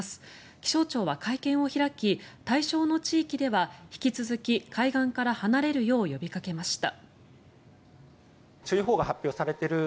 気象庁は会見を開き対象の地域では引き続き海岸から離れるよう呼びかけました。